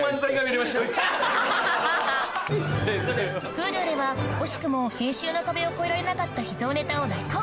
Ｈｕｌｕでは惜しくも編集の壁を越えられなかった秘蔵ネタを大公開！